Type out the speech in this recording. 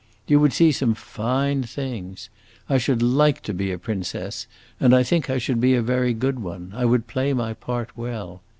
You would see some fine things! I should like to be a princess, and I think I should be a very good one; I would play my part well.